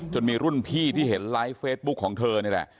จนมีรุ่นน่ารุ่นพี่ที่เห็นไลฟ์ของเธอนี่แหละ